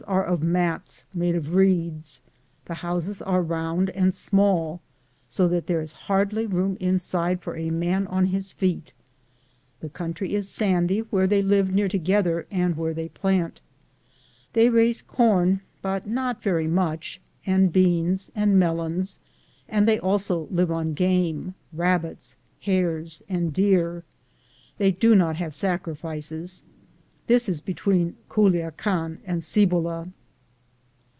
are of mats made of reeds ; the houses are round and small, so that there is hardly room inside for a man on his feet. The country is sandy where they live near together and where they plant. They raise corn, bnt not very much, and beans and melons, and they also live on game — rabbits, hares, and deer, They do not have sacrifices. This is between Culiacan and Cibola.